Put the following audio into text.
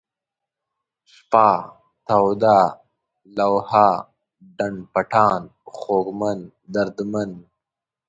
شپه ، توده ، لوحه ، ډنډ پټان ، خوږمن ، دردمن